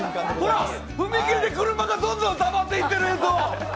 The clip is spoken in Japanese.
踏切でどんどん車がたまっていってる映像！